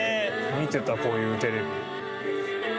見てたこういうテレビ。